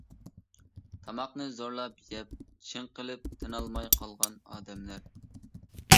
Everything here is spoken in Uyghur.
تاماقنى زورلاپ يەپ، چىڭقىلىپ، تىنالماي قالغان ئادەملەر.